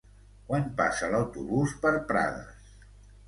Quan passa l'autobús per Prades?